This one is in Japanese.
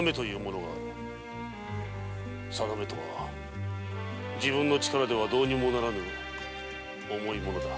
運命は自分の力ではどうにもならぬ重いものだ。